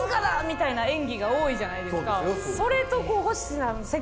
みたいな演技が多いじゃないですか。